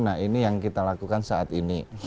nah ini yang kita lakukan saat ini